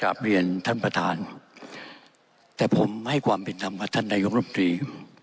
สำหรับเรียนท่านประธานแต่ผมไม่ให้ความเป็นธรรมกับท่านนายกรมนุษย์